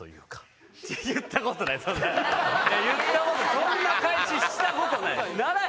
そんな返ししたことない！